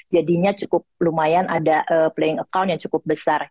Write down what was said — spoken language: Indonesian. jadinya cukup lumayan ada playing account yang cukup besar